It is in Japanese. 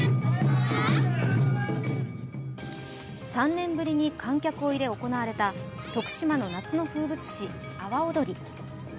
３年ぶりに観客を入れ行われた徳島の夏の風物詩・阿波おどり。